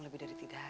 this is kesemuanya